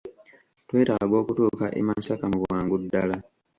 Twetaaga okutuuka e Masaka mu bwangu ddala